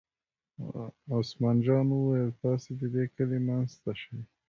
عثمان جان وویل: تاسې د دې کلي منځ ته شئ.